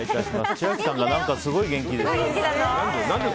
千秋さんがすごい元気ですね。